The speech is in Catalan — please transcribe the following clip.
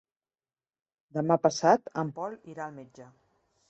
Demà passat en Pol irà al metge.